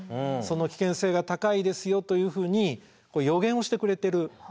その危険性が高いですよというふうに予言をしてくれてる。